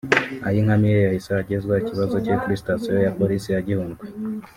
Ayinkamiye yahise ageza ikibazo cye kuri sitasiyo ya Polisi ya Gihundwe